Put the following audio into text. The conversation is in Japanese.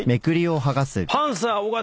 パンサー尾形